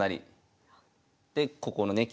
でここのね